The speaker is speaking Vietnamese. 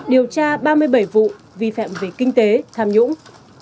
điều tra ba mươi bảy vụ vi phạm về kinh tế tham nhũng